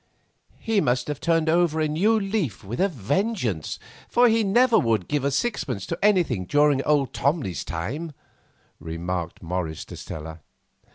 "He must have turned over a new leaf with a vengeance, for he never would give a sixpence to anything during old Tomley's time," remarked Morris to Stella.